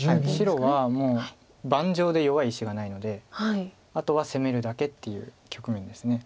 白はもう盤上で弱い石がないのであとは攻めるだけっていう局面です。